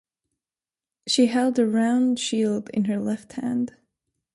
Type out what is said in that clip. She held a round shield in her left hand.